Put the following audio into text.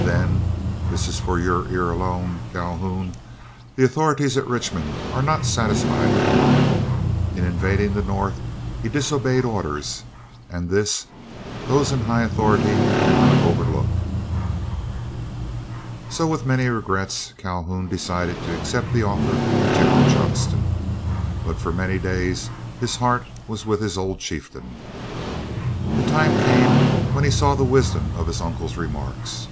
Then, this is for your ear alone, Calhoun, the authorities at Richmond are not satisfied with Morgan. In invading the North he disobeyed orders; and this, those high in authority cannot overlook." So, with many regrets, Calhoun decided to accept the offer of General Johnston; but for many days his heart was with his old chieftain. The time came when he saw the wisdom of his uncle's remarks.